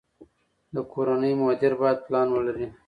د کورنۍ مدیر باید پلان ولري.